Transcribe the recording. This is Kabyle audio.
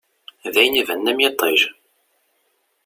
D ayen ibanen am yiṭij.